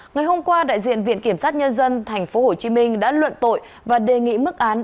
ngày hôm qua đại diện viện kiểm sát nhân dân tp hcm đã luận tội và đề nghị mức án